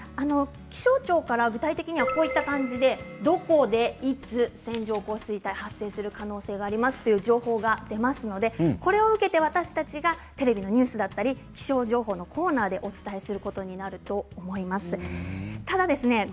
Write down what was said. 気象庁から具体的にはどこでいつ線状降水帯が発生する可能性がありますという情報が出ますのでこれを受けて私たちはテレビのニュースだったり気象情報のコーナーでお伝えすることになると思います。